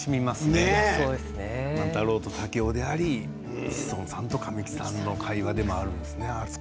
竹雄と万太郎の会話でもあり志尊淳さんと神木さんの会話でもあるんですね。